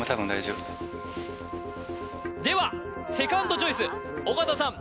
ではセカンドチョイス尾形さん